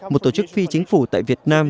một tổ chức phi chính phủ tại việt nam